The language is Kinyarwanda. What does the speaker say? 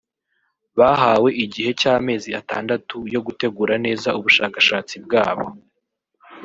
Bahawe igihe cy’amezi atandatu yo gutegura neza ubushakashatsi bwabo